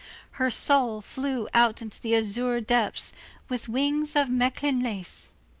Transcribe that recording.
Her soul flew out into the azure depths, with wings of Mechlin lace.